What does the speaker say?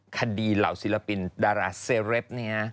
เหล่าศิลปินดาราเซเรป